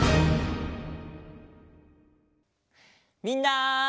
みんな！